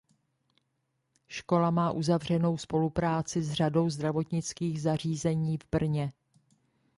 Škola má uzavřenou spolupráci s řadou zdravotnických zařízení v Brně.